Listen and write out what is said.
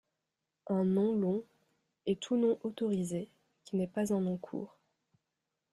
Un nom long est tout nom autorisé qui n'est pas un nom court.